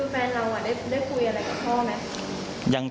แฟนเราได้คุยอะไรกับพ่อไหม